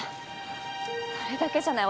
それだけじゃない。